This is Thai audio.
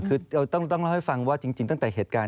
คือเราต้องเล่าให้ฟังว่าจริงตั้งแต่เหตุการณ์